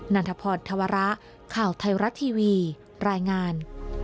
ันทพรธวระข่าวไทยรัฐทีวีรายงาน